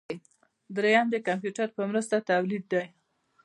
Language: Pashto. دریم د کمپیوټر په مرسته تولید دی.